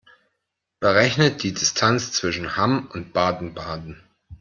Berechne die Distanz zwischen Hamm und Baden-Baden